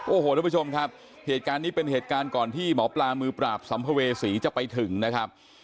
โอ้โหทุกผู้ชมครับเหตุการณ์นี้เป็นเหตุการณ์ก่อนที่หมอปลามือปราบสัมภเวษีจะไปถึงนะครับ